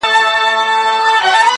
څنکه چي خاموشه دریابو کي ملغلري دي-